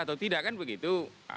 atau tidak kan begitu